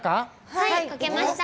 はいかけました！